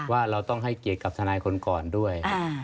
ว่าเราต้องให้เกียรติกับทนายคนก่อนด้วย